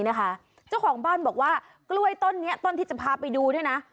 เจ้าของบ้านบอกว่ากล้วยต้นนี้ต้นที่จะพาไปดูเนี่ยนะ